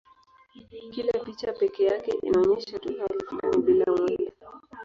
Kila picha pekee yake inaonyesha tu hali fulani bila mwendo.